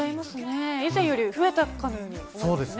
以前より増えたかのように感じますね。